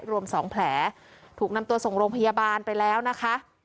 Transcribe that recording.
รวมสองแผลถูกนำตัวส่งโรงพยาบาลไปแล้วนะคะ